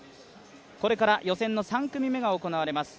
これから予選の３組目が行われます。